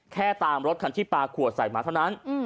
แค่ตามรถที่เรียกว่าปลาขวดใส่มาเท่านั้น